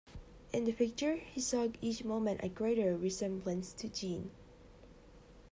In the picture he saw each moment a greater resemblance to Jeanne.